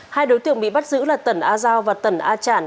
hai đối tượng bị bắt giữ là tần a giao và tần a trản